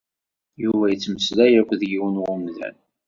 Yuba yettmeslay akked yiwen umdan.